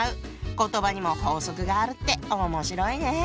言葉にも法則があるって面白いね。